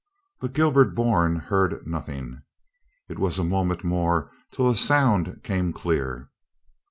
But Gilbert Bourne heard nothing. It was a moment more till a sound came clear.